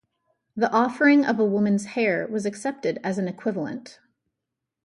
The offering of a woman's hair was accepted as an equivalent.